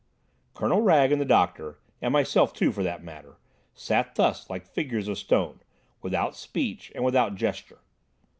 Colonel Wragge and the doctor, and myself too for that matter, sat thus like figures of stone, without speech and without gesture.